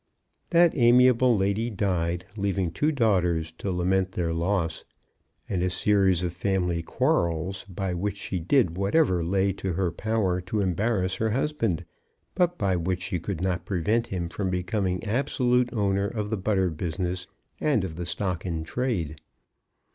That amiable lady died, leaving two daughters to lament their loss, and a series of family quarrels, by which she did whatever lay in her power to embarrass her husband, but by which she could not prevent him from becoming absolute owner of the butter business, and of the stock in trade.